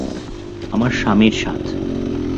আমার স্বামীর সাথ।